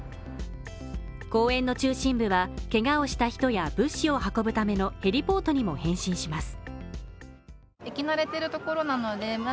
公園の中心部はケガをした人や物資を運ぶためのヘリポートにも変身します